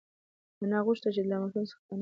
انا غوښتل چې له ماشوم څخه پنا شي.